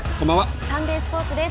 サンデースポーツです。